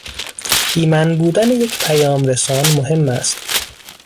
ایمن بودن یک پیامرسان مهم است